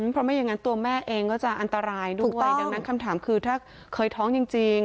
เพราะไม่อย่างนั้นตัวแม่เองก็จะอันตรายถูกใจดังนั้นคำถามคือถ้าเคยท้องจริง